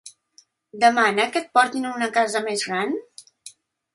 Demana que et portin una casa més gran?